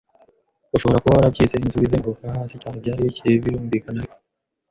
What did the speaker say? ushobora kuba warabyise inzu izenguruka. Hasi cyane byari bikiri, birumvikana; ariko